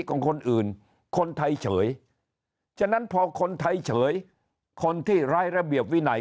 ของคนอื่นคนไทยเฉยฉะนั้นพอคนไทยเฉยคนที่ร้ายระเบียบวินัย